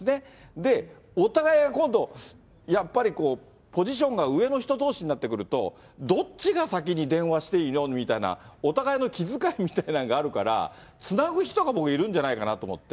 で、お互いが今度、やっぱりポジションが上の人どうしになってくると、どっちが先に電話していいの？みたいな、お互いの気遣いみたいなのがあるから、つなぐ人が僕いるんじゃないかなと思って。